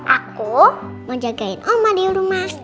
aku mau jagain oma di rumah